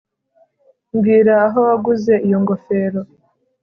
Mbwira aho waguze iyo ngofero